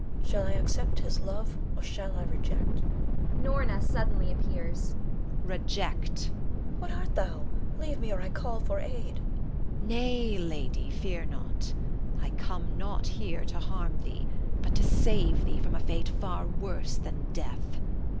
Shall I accept his love, or shall I reject? [Norna suddenly appears. Norna. Reject. Leonore. Who art thou? Leave me, or I call for aid. Norna. Nay, lady, fear not. I come not here to harm thee, but to save thee from a fate far worse than death.